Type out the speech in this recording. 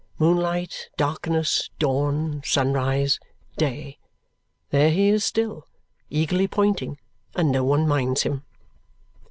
Moonlight, darkness, dawn, sunrise, day. There he is still, eagerly pointing, and no one minds him.